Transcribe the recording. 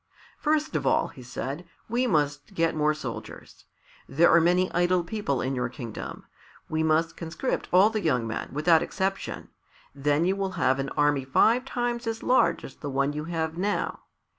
"First of all," he said, "we must get more soldiers. There are many idle people in your kingdom. We must conscript all the young men without exception, then you will have an army five times as large as the one you have now.